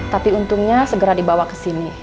tapi untungnya segera dibawa ke sini